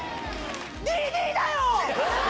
ＤＤだよ！